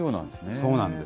そうなんです。